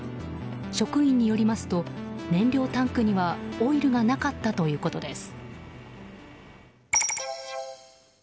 職員によりますと燃料タンクにはオイルがなかったということです。